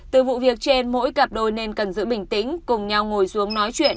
từ vụ việc trên mỗi cặp đôi nên cần giữ bình tĩnh cùng nhau ngồi xuống nói chuyện